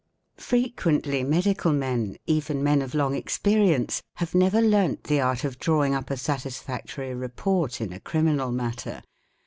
"i Frequently medical men, even men of long experience, have never learnt the art of drawing up a satisfactory report in a criminal matter.